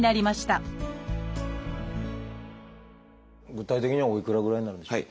具体的にはおいくらぐらいになるんでしょう？